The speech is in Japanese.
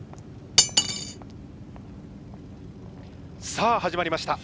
さあ始まりました。